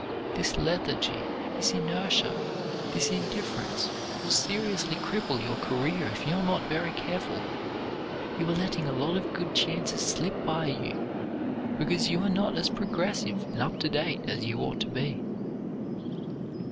This lethargy, this inertia, this indifference will seriously cripple your career if you're not very careful. You are letting a lot of good chances slip by you, because you are not as progressive and up to date as you ought to be.